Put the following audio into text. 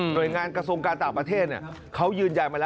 หน่วยงานกระทรวงการต่างประเทศเนี่ย